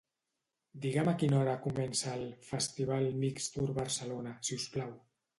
Digue'm a quina hora comença el "Festival Mixtur Barcelona" si us plau.